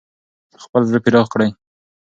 خپل زړه پراخ کړئ.